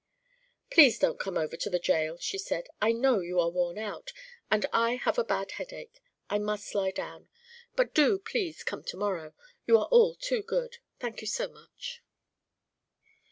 "Please don't come over to the jail," she said. "I know you are worn out, and I have a bad headache. I must lie down. But do please come to morrow. You are all too good. Thank you so much."